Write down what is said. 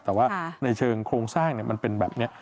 แต่ว่าในเชิงโครงสร้างมันเป็นแบบนี้